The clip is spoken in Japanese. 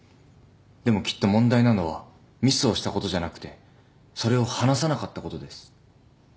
でもきっと問題なのはミスをしたことじゃなくてそれを話さなかったことです。